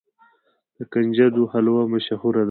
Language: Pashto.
د کنجدو حلوه مشهوره ده.